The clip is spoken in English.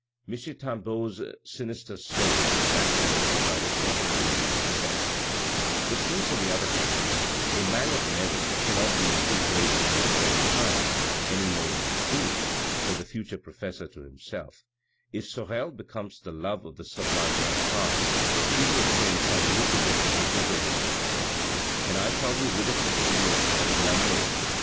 M. Tanbeau's sinister soul was lacerated by the thought of Julien's success ;" but since, on the other hand, a man of merit cannot be in two places at the same time any more than a fool," said the future professor to himself, "if Sorel becomes the lover of the sublime marechale, she will obtain some lucrative position for him in the church, and I shall be rid of him in the hdtel de la Mole."